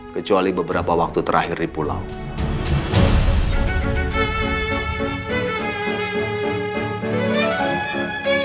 kecuali beberapa waktu terakhir di pulau